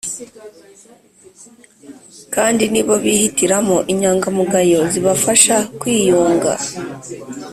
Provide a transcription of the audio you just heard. kandi ni bo bihitiramo inyangamugayo zibafasha kwiyunga